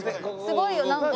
すごいよなんか。